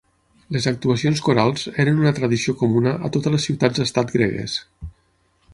Les actuacions corals eren una tradició comuna a totes les ciutats-estat gregues.